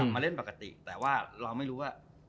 มาเล่นปกติแต่ว่าเราไม่รู้ว่า